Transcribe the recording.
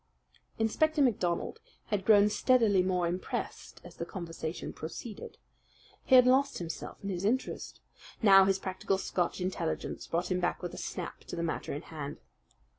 Inspector MacDonald had grown steadily more impressed as the conversation proceeded. He had lost himself in his interest. Now his practical Scotch intelligence brought him back with a snap to the matter in hand.